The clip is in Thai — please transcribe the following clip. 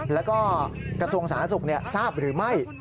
แล้วก็กระทรวงศาลนักศึกทราบหรือไม่